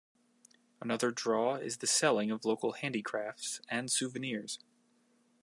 Another draw is the selling of local handicrafts and souvenirs.